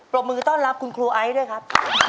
รบมือต้อนรับคุณครูไอซ์ด้วยครับ